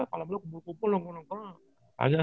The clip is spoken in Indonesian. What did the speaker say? karena kalau tren trenan kan harus kontinu ya